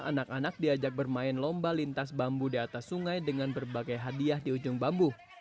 anak anak diajak bermain lomba lintas bambu di atas sungai dengan berbagai hadiah di ujung bambu